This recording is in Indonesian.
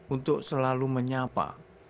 untuk selalu menyapa